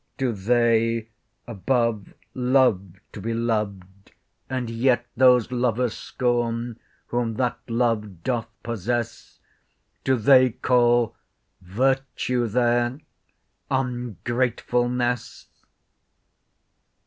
Do they above love to be loved, and yet Those lovers scorn, whom that love doth possess? Do they call virtue there—ungratefulness!